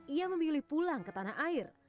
ia memilih pulang ke tanah air